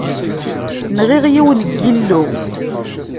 Nɣiɣ yiwen n yillu.